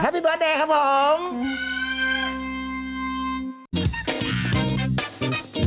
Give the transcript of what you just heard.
ไปก่อนนะครับ